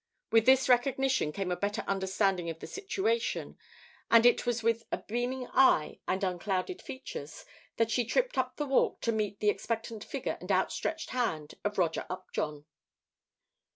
With this recognition came a better understanding of the situation, and it was with a beaming eye and unclouded features that she tripped up the walk to meet the expectant figure and outstretched hand of Roger Upjohn.